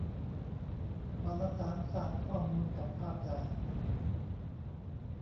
วารสารศาสตร์ข้อมูลกับภาพใหญ่